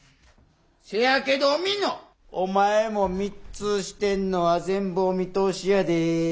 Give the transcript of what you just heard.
せやけどおみのお前も密通してんのは全部お見通しやで。